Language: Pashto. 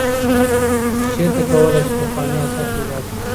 چیرته کولای سو پخوانی آثار پیدا کړو؟